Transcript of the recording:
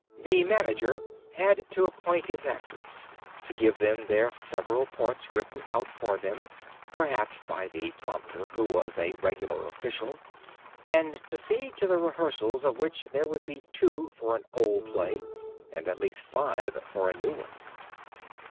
The manager had to appoint his actors, to give them their several parts written out for them (perhaps by the prompter, who was a regular official), and to see to the rehearsals, of which there would be two for an old play and at least five for a new one.